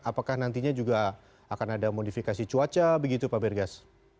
apakah nantinya juga akan ada modifikasi cuaca begitu pak bergas